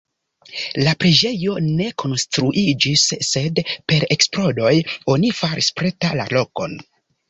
La preĝejo ne konstruiĝis, sed per eksplodoj oni faris preta la lokon.